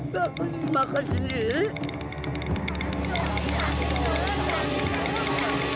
gak ke sini makasih nih